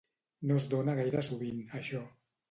No es dona gaire sovint, això.